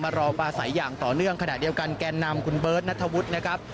รอปลาใสอย่างต่อเนื่องขณะเดียวกันแกนนำคุณเบิร์ตนัทธวุฒินะครับ